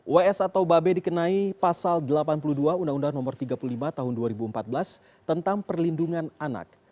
ws atau babe dikenai pasal delapan puluh dua undang undang no tiga puluh lima tahun dua ribu empat belas tentang perlindungan anak